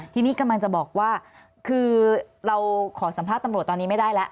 ทีนี้กำลังจะบอกว่าคือเราขอสัมภาษณ์ตำรวจตอนนี้ไม่ได้แล้ว